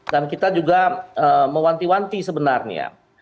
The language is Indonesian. kita juga mewanti wanti sebenarnya